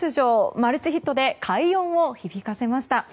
マルチヒットで快音を響かせました。